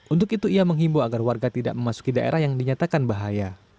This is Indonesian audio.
untuk itu ia menghimbau agar warga tidak memasuki daerah yang dinyatakan bahaya